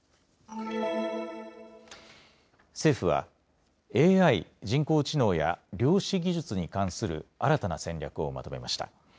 政府はＡＩ・人工知能や量子技術に関する新たな戦略をまとめました。